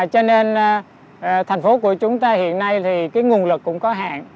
cho nên thành phố của chúng ta hiện nay thì cái nguồn lực cũng có hạn